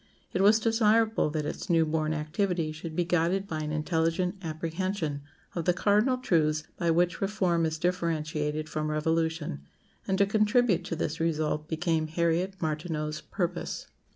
It was desirable that its new born activity should be guided by an intelligent apprehension of the cardinal truths by which reform is differentiated from revolution; and to contribute to this result became Harriet Martineau's purpose.